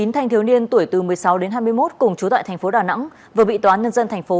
một mươi chín thanh thiếu niên tuổi từ một mươi sáu đến hai mươi một cùng chú tại thành phố đà nẵng vừa bị toán nhân dân thành phố